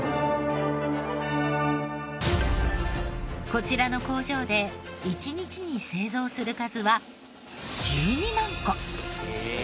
こちらの工場で１日に製造する数は１２万個。